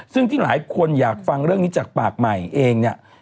ซึ่งที่หลายคนอยากฟังเรื่องนี้จากปากใหม่เองเนี่ย